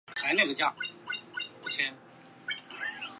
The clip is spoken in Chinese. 肥皂荚为豆科肥皂荚属下的一个种。